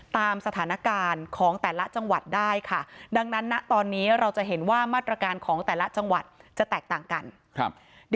ตามสถานการณ์ของแต่ละจังหวัดได้ค่ะดังนั้นนะตอนนี้เราจะเห็นว่ามาตรการของแต่ละจังหวัดจะแตกต่างกัน